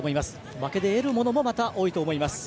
負けで得るものもまた多いと思います。